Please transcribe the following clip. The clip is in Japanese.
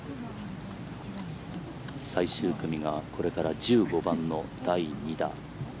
最終組がこれから１５番の第２打。